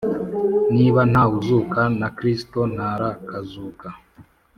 Niba nta wuzuka na Kristo ntarakazuka